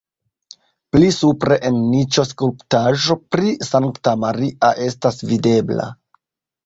Pli supre en niĉo skulptaĵo pri Sankta Maria estas videbla.